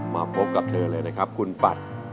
มาพบกับเธอเลยนะครับคุณปัด